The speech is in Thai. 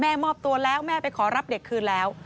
มอบตัวแล้วแม่ไปขอรับเด็กคืนแล้ว